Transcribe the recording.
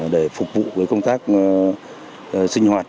để phục vụ với công tác sinh hoạt